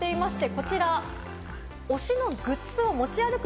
こちら、推しのグッズを持ち歩く